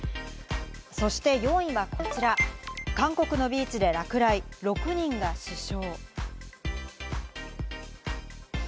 そして４位はこちら、韓国のビーチで落雷、６人が死傷。